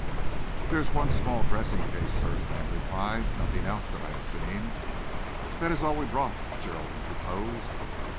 "There is one small dressing case, sir," the man replied; "nothing else that I have seen." "That is all we brought," Gerald interposed.